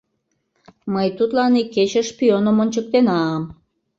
- Мый тудлан икече "шпионым" ончыктенам!